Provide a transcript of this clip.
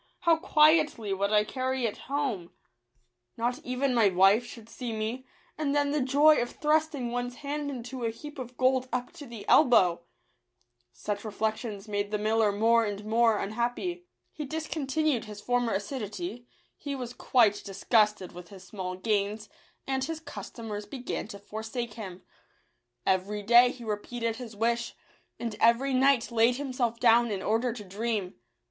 how quietly would I carry it home I not even my wife should Digitized by Google see me: and then the joy of thrusting one's hand into a heap of gold up to the elbow !" Such reflections made the miller more and more unhappy. He discontinued his former assi duity ; he was quite disgusted with his small gains, and his customers began to forsake him. Every day he repeated his wish, and every night laid himself down in order to dream.